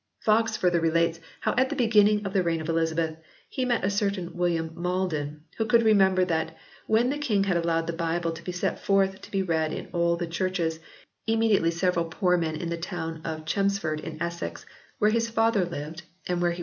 Foxe further relates how at the beginning of the reign of Elizabeth he met a certain William Maldon who could remember that "when the King had allowed the Bible to be set forth to be read in all the churches immediately several poor men in the town of Chelms ford in Essex, where his father lived and where he 52 68 HISTORY OF THE ENGLISH BIBLE [OH.